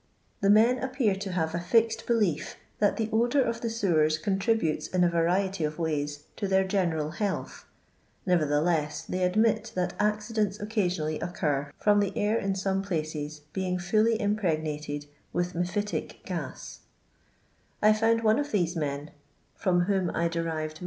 The men appear to have a fixed belief that the odour of the sewers contributes in a variety of ways to their general health ; nevertheless, they admit that accidents occ isionally occur from the air in some places being fully impregnated with mephitic I found one of these men, from whom I derived LONDON LABOUR AND TUB LONDON POOR.